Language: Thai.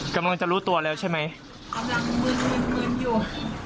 กำลังมืดยังอยู่